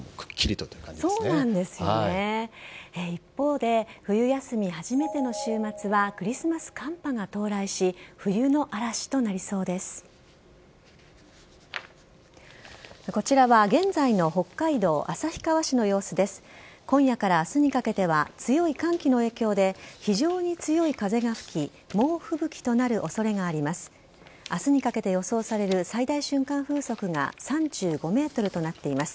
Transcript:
今夜からあすにかけては、強い寒気の影響で、非常に強い風が吹き、猛吹雪となるおそれがあります。